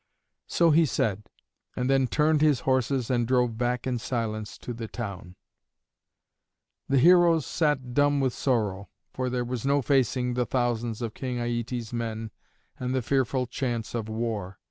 So he said, and then turned his horses and drove back in silence to the town. The heroes sat dumb with sorrow, for there was no facing the thousands of King Aietes' men and the fearful chance of war.